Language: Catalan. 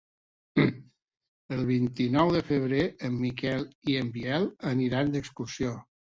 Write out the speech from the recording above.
El vint-i-nou de febrer en Miquel i en Biel aniran d'excursió.